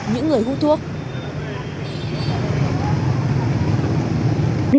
những người hút thuốc